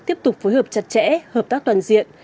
tiếp tục phối hợp chặt chẽ hợp tác toàn diện